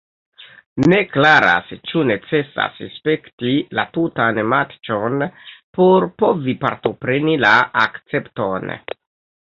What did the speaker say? Ne klaras ĉu necesas spekti la tutan matĉon por povi partopreni la akcepton.